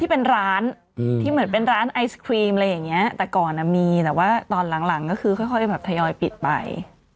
เป็นร้านที่เหมือนเป็นร้านไอศครีมอะไรอย่างเงี้ยแต่ก่อนมีแต่ว่าตอนหลังก็คือค่อยแบบทยอยปิดไป